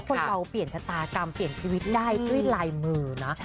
คนเราเปลี่ยนชะตากรรมเปลี่ยนชีวิตได้ด้วยลายมือนะ